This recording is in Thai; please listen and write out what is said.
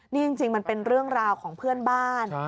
นี่จริงมันเป็นเรื่องราวของเพื่อนบ้าน